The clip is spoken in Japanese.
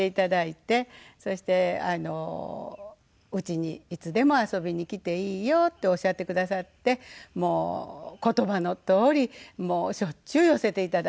そして「うちにいつでも遊びに来ていいよ」っておっしゃってくださってもう言葉のとおりしょっちゅう寄せていただいたんです。